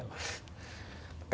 hukum sama politik